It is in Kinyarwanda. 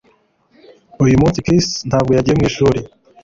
Uyu munsi Chris ntabwo yagiye mu ishuri